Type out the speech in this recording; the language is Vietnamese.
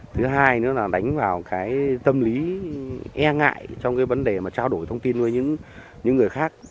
thứ hai nữa là đánh vào cái tâm lý e ngại trong cái vấn đề mà trao đổi thông tin với những người khác